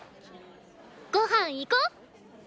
ごはん行こ！